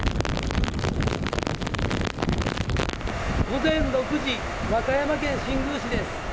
午前６時和歌山県新宮市です。